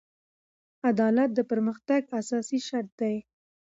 عدالت د پرمختګ اساسي شرط دی.